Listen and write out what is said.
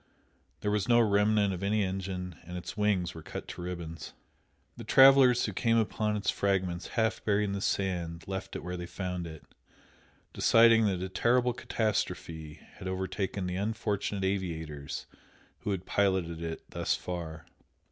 There was no remnant of any engine, and its wings were cut to ribbons. The travellers who came upon its fragments half buried in the sand left it where they found it, deciding that a terrible catastrophe had overtaken the unfortunate aviators who had piloted it thus far.